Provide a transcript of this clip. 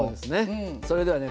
それではね